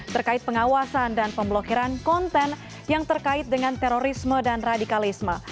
terkait pengawasan dan pemblokiran konten yang terkait dengan terorisme dan radikalisme